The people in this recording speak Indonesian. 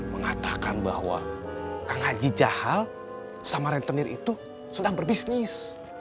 mengatakan bahwa kang haji jaal sama rentenir itu sedang berbisnis